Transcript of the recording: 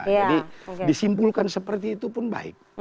jadi disimpulkan seperti itu pun baik